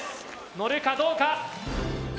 のるかどうか？